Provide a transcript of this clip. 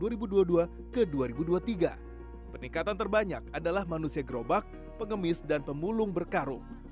namun dua ribu dua puluh dua ke dua ribu dua puluh tiga peningkatan terbanyak adalah manusia gerobak pengemis dan pemulung berkarung